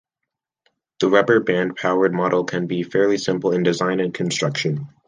The rubber-band-powered model can be fairly simple in design and construction.